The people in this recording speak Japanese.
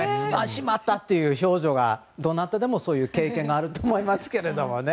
しまったという表情がどなたでもそういう経験はあると思いますけど。